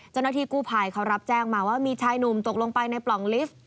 เจ้าหน้าที่กู้ภัยเขารับแจ้งมาว่ามีชายหนุ่มตกลงไปในปล่องลิฟต์